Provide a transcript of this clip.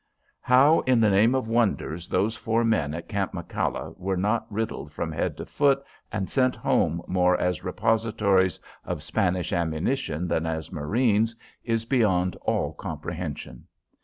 How, in the name of wonders, those four men at Camp McCalla were not riddled from head to foot and sent home more as repositories of Spanish ammunition than as marines is beyond all comprehension.